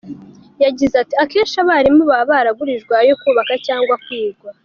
Yagize ati “Akenshi abarimu baba baragujije ayo kubaka cyangwa kwiga.